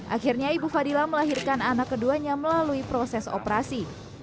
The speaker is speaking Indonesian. akhirnya ibu fadila melahirkan anak keduanya melalui proses operasi